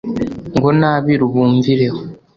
ngo n'abiru bumvire ho,